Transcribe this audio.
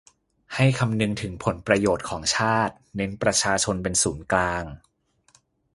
ให้คำนึงถึงผลประโยชน์ของชาติ เน้นประชาชนเป็นศูนย์กลาง